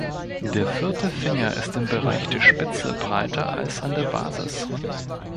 Der vierte Finger ist im Bereich der Spitze breiter als an der Basis.